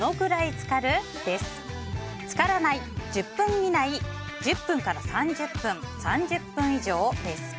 つからない・１０分以内１０分から３０分以内３０分以上です。